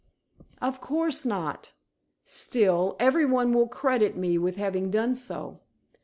"Of course not. Still, everyone will credit me with having done so.